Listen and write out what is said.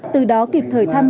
từ đó kịp thời tham gia